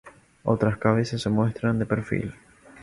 Otras cabezas se muestran de perfil.